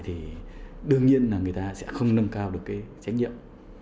thì đương nhiên là người ta sẽ không nâng cao được cái trách nhiệm